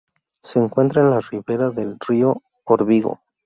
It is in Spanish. Se encuentra en la ribera del río Órbigo.